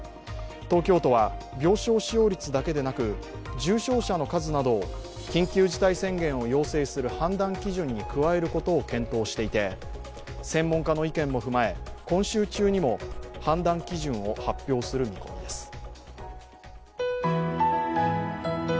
東京都は病床使用率だけでなく重症者の数などを緊急事態宣言を要請する判断基準に加えることを検討していて、専門家の意見も踏まえ、今週中にも判断基準を発表する見込みです。